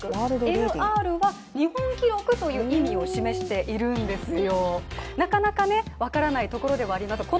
ＮＲは日本記録を意味しているんですよ。